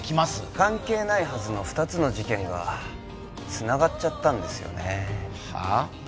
関係ないはずの２つの事件がつながっちゃったんですよねはあ？